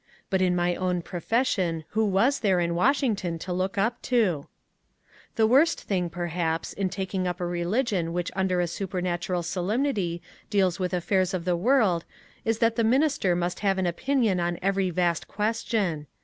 But in my own profession who was there in Washington to look up to ? The worst thing, perhaps, in taking up a religion which under a supernatural solemnity deals with afiFairs of the world is that the minister must have an opinion on every vast ques tion.